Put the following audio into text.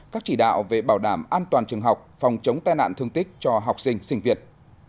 các chỉ đạo về bảo đảm an toàn trường học phòng chống tai nạn thương tích cho học sinh sinh viên